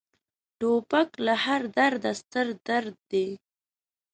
توپک له هر درده ستر درد دی.